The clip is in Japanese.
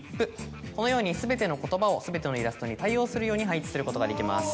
このように全ての言葉を全てのイラストに対応するように配置することができます。